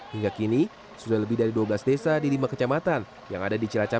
hingga kini sudah lebih dari dua belas desa di lima kecamatan yang ada di cilacap